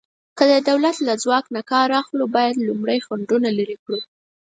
که د دولت له ځواک نه کار اخلو، باید لومړی خنډونه لرې کړو.